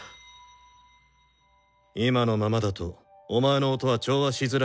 今のままだとお前の音は調和しづらく浮いてしまう。